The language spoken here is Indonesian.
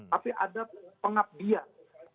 tapi ada pengadbian